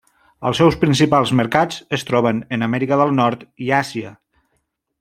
Els seus principals mercats es troben en Amèrica del Nord i Àsia.